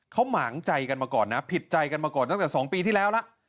เขาหมางใจกันมาก่อนนะผิดใจกันมาก่อนตั้งแต่๒ปีที่แล้วล่ะ